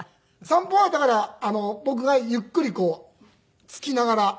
散歩はだから僕がゆっくりこうつきながら。